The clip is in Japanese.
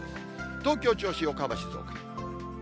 東京、銚子、横浜、静岡。